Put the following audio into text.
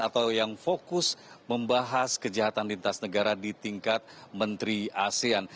atau yang fokus membahas kejahatan lintas negara di tingkat menteri asean